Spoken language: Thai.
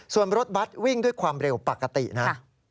ส่วนรถบัตรวิ่งด้วยความเร็วปกตินะ